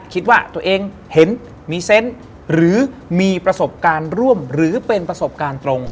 คิดว่าตัวเองเห็นมีเซนต์หรือมีประสบการณ์ร่วมหรือเป็นประสบการณ์ตรง